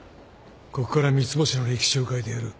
ここから三ツ星の歴史を変えてやる